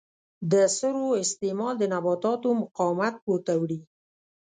د سرو استعمال د نباتاتو مقاومت پورته وړي.